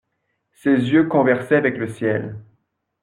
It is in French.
Ses yeux conversaient avec le ciel.